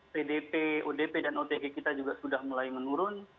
pdp odp dan otg kita juga sudah mulai menurun